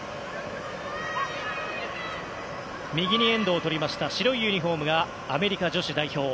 右にエンドをとりました白いユニホームがアメリカ女子代表。